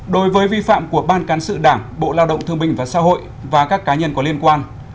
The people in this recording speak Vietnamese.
một đối với vi phạm của ban cán sự đảng bộ lao động thương minh và xã hội và các cá nhân có liên quan